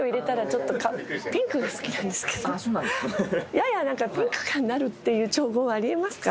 ややピンク感のあるっていう調合はあり得ますか？